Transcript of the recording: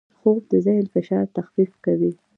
خوب د ذهن فشار تخفیف کوي